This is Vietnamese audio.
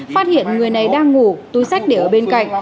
phát hiện người này đang ngủ túi sách để ở bên cạnh